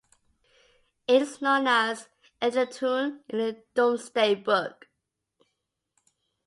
It is known as "Eduluintune" in the Domesday Book.